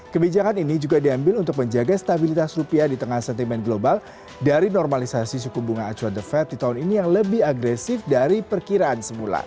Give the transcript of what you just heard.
kebijakan ini juga diambil untuk menjaga stabilitas rupiah di tengah sentimen global dari normalisasi suku bunga acuan the fed di tahun ini yang lebih agresif dari perkiraan semula